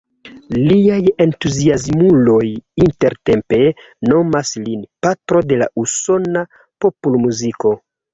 Liaj entuziasmuloj intertempe nomas lin „patro de la usona popolmuziko“.